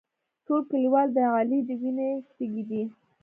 ټول کلیوال د علي د وینې تږي دي.